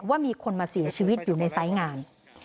ว่ามีคนมาเสียชีวิตอยู่ในไซส์งาน